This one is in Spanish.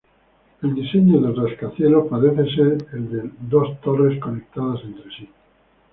El diseño del rascacielos parece ser el de dos torres conectadas entre sí.